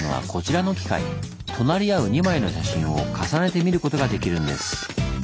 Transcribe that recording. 隣り合う２枚の写真を重ねて見ることができるんです。